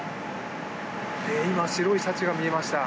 今白いシャチが見えました。